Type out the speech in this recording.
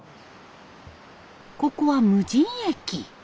ここは無人駅。